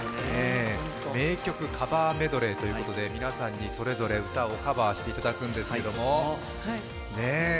名曲カバーメドレーということで皆さんにそれぞれ歌をカバーしていただくんですけれども。